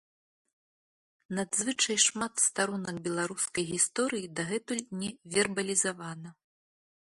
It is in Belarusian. Надзвычай шмат старонак беларускай гісторыі дагэтуль не вербалізавана.